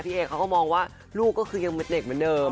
เอเขาก็มองว่าลูกก็คือยังเป็นเด็กเหมือนเดิม